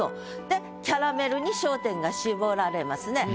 で「キャラメル」に焦点が絞られますね。